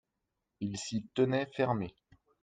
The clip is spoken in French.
Il s'y tenait fermé.